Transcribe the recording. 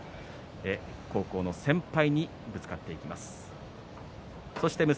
高校の先輩にぶつかっていきます。